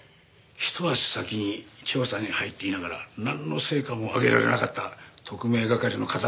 一足先に調査に入っていながらなんの成果も上げられなかった特命係の片割れを。